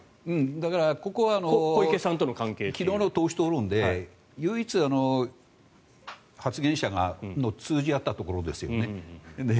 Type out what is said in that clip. だから、ここは昨日の党首討論で唯一、発言者が通じ合ったところですよね。